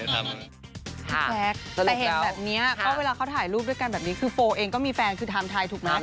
พี่แจ๊คแต่เห็นแบบนี้ก็เวลาเขาถ่ายรูปด้วยกันแบบนี้คือโฟเองก็มีแฟนคือไทม์ไทยถูกไหม